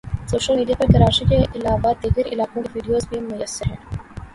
social media پر کراچی کے علاوہ دیگر علاقوں کے وڈیوز بھی میسر ہیں